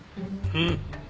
うん。